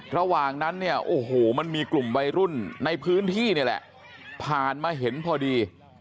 ระหว่างนั้นเนี่ยโอ้โหมันมีกลุ่มวัยรุ่นในพื้นที่นี่แหละผ่านมาเห็นพอดี